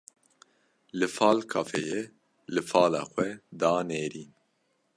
Li Fal kafeyê li fala xwe da nêrîn.